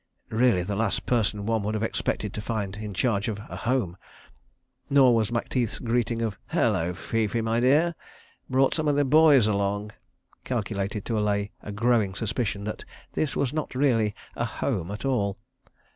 ... Really the last person one would have expected to find in charge of a Home. ... Nor was Macteith's greeting of "Hullo, Fifi, my dear! Brought some of the Boys along," calculated to allay a growing suspicion that this was not really a Home at all.